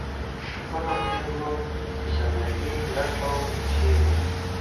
ښکلو پېغلو زنده ګي لټوم ، چېرې ؟